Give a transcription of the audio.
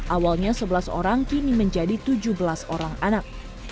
awalnya sebelas orang kini menjadi tujuh belas orang anak